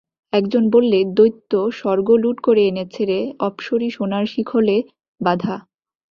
একজন বললে, দৈত্য স্বর্গ লুট করে এনেছে রে, অপ্সরী সোনার শিখলে বাঁধা।